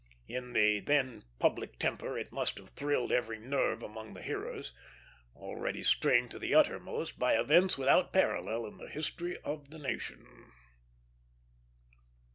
In the then public temper it must have thrilled every nerve among the hearers, already strained to the uttermost by events without parallel in the history of the nation.